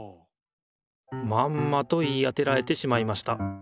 まんまと言い当てられてしまいました。